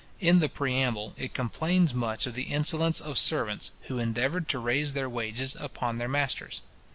In the preamble, it complains much of the insolence of servants, who endeavoured to raise their wages upon their masters.